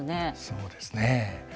そうですね。